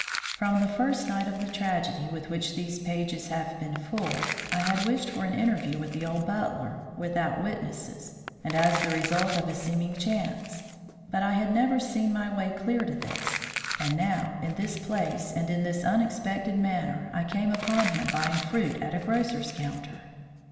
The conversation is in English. From the first night of the tragedy with which these pages have been full, I had wished for an interview with the old butler, without witnesses, and as the result of a seeming chance. But I had never seen my way clear to this; and now, in this place and in this unexpected manner, I came upon him buying fruit at a grocer's counter.